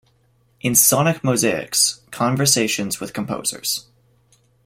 In "Sonic Mosaics: Conversations with Composers".